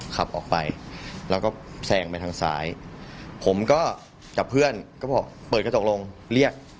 ขับออกไปแล้วก็แซงไปทางซ้ายผมก็กับเพื่อนก็บอกเปิดกระจกลงเรียก